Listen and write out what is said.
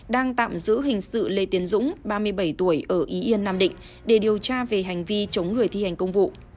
đang tạm giữ hình sự lê tiến dũng ba mươi bảy tuổi ở y yên nam định để điều tra về hành vi chống người thi hành công vụ